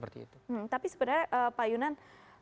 tapi sebenarnya pak yunan